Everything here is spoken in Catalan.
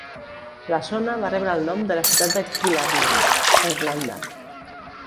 La zona va rebre el nom de la ciutat de Killarney, a Irlanda.